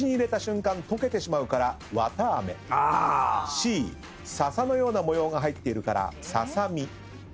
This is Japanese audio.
Ｃ笹のような模様が入っているからササミ。